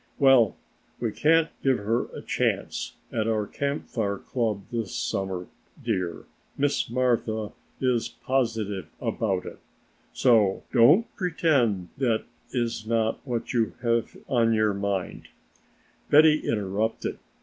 "Well, we can't give her a chance at our Camp Fire club this summer, dear, Miss Martha is positive about it, so don't pretend that is not what you have on your mind," Betty interrupted.